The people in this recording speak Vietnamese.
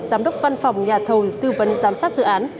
giám đốc văn phòng nhà thầu tư vấn giám sát dự án